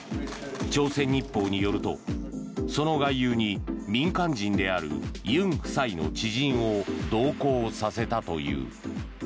朝鮮日報によるとその外遊に民間人である尹夫妻の知人を同行させたという。